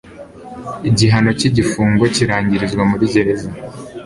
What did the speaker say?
Igihano cy igifungo kirangirizwa muri gereza